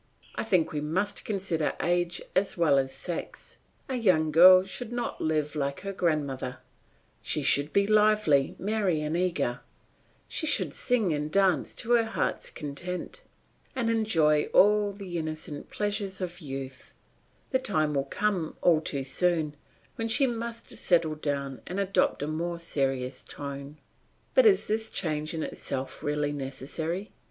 I think we must consider age as well as sex; a young girl should not live like her grandmother; she should be lively, merry, and eager; she should sing and dance to her heart's content, and enjoy all the innocent pleasures of youth; the time will come, all too soon, when she must settle down and adopt a more serious tone. But is this change in itself really necessary?